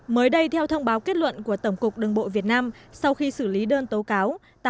mới đây theo thông báo kết luận của tổng cục đường bộ việt nam sau khi xử lý đơn tố cáo